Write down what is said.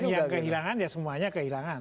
yang kehilangan ya semuanya kehilangan